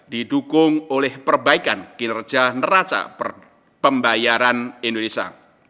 didukung oleh perbaikan kinerja neraca pembayaran indonesia